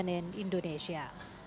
tim liputan cnn indonesia